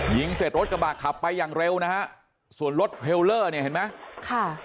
เสร็จรถกระบะขับไปอย่างเร็วนะฮะส่วนรถเทลเลอร์เนี่ยเห็นไหมค่ะ